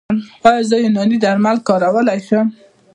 ایا زه یوناني درمل کارولی شم؟